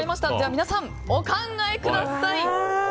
皆さん、お考えください。